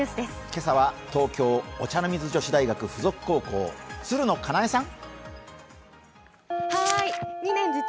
今朝は東京・お茶の水女子大学附属高校、鶴野華苗さん。